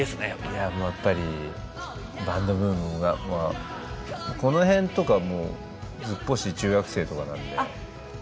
いやもうやっぱりバンドブームがまあこの辺とかもうずっぽし中学生とかなんで。